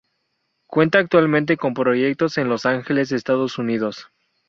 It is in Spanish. Cuenta actualmente con proyectos en Los Angeles, Estados Unidos.